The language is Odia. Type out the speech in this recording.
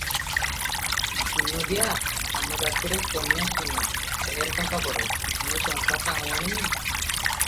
ବିନୋଦିଆ -ଆମ ଜାତିରେ କନ୍ୟାସୁନା ଢେର ଟଙ୍କା ପଡ଼େ, ମୁଁ ଟଙ୍କା କାହୁଁ ଆଣିବି?